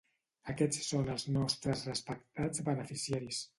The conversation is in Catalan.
Aquests són els nostres respectats beneficiaris.